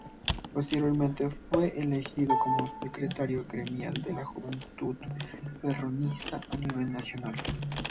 Posteriormente, fue elegido como Secretario Gremial de la Juventud Peronista a nivel nacional.